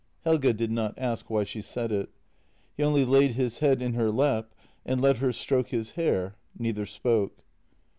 Helge did not ask why she said it. He only laid his head in her lap and let her stroke his hair; neither spoke.